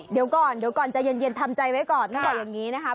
เดี๋ยวก่อนจะเย็นทำใจไว้ก่อนนะครับ